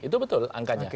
itu betul angkanya